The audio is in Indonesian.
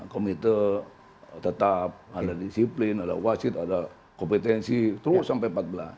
komite tetap ada disiplin ada wasit ada kompetensi terus sampai empat belas